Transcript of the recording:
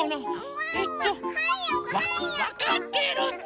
わかってるって！